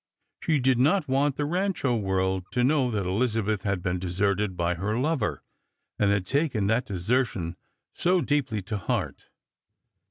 She did not want the Rancho world to kno\f that Elizabeth had been deserted by her lover, and had taken that desertion so deeply to heart.